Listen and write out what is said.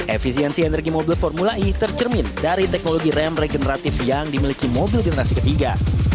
efisiensi energi mobil formula e tercermin dari teknologi rem regeneratif yang dimiliki mobil generasi ketiga